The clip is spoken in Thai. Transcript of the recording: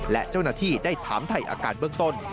และเจ้าหน้าที่ได้ถามไทยอาการเบื้องต้น